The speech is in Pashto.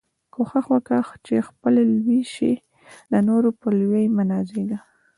کوښښ وکه، چي خپله لوى سې، د نورو په لويي مه نازېږه!